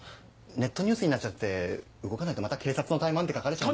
ネットニュースになっちゃって動かないとまた「警察の怠慢」って書かれちゃう。